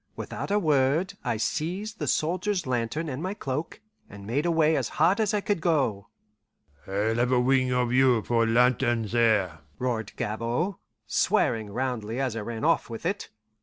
Without a word I seized the soldier's lantern and my cloak, and made away as hard as I could go. "I'll have a wing of you for lantern there!" roared Gabord, swearing roundly as I ran off with it.